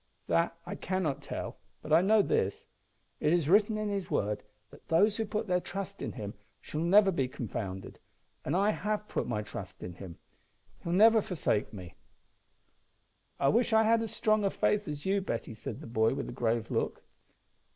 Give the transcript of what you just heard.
"That I cannot tell; but I know this, it is written in His Word that those who put their trust in Him shall never be confounded, and I have put my trust in Him. He will never forsake me." "I wish I had as strong faith as you, Betty," said the boy, with a grave look.